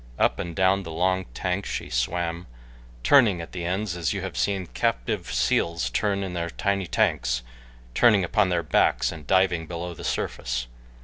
Up and down the long tank she swam, turning at the ends as you have seen captive seals turn in their tiny tanks, turning upon their backs and diving below the surface.